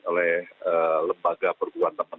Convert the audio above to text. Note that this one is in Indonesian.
oleh lembaga perguruan teman teman